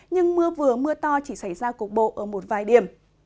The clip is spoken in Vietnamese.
nhưng mưa vừa mưa to chỉ xảy ra cục bộ ở một vài điểm